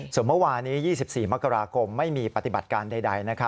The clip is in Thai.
ส่วนเมื่อวานี้๒๔มกราคมไม่มีปฏิบัติการใด